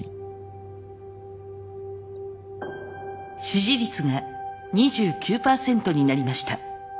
支持率が２９％になりました。